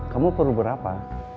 kamu perlu berapa